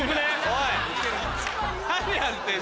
おい！